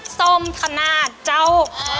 สมทนาเจ้า